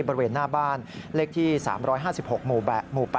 บริเวณหน้าบ้านเลขที่๓๕๖หมู่๘